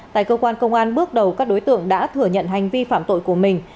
tại cơ quan công an bước đầu các đối tượng đã thừa nhận hành vi phạm tội của mình